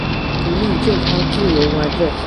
独立健康自由完整